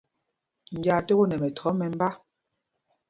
Njāā ték ú nɛ mɛthɔɔ mɛmbá.